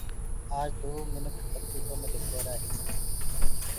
آج دو منک ڪمپيوٽرو مي لک ريهرآئينٚ